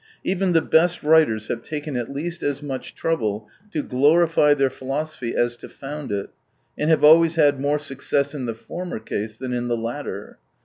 Even the best writers have taken at 3^ least as much trouble to glorify their philo sophy as to found it, and have always had more success in the former case than in the latter.